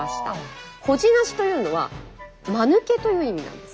「ほじなし」というのは「マヌケ」という意味なんです。